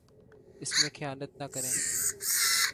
اس میں خیانت نہ کرے